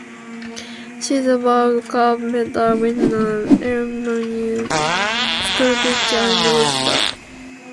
She is a World Cup medal winner, elementary school teacher and author.